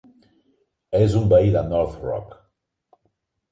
És un veí de North Rock.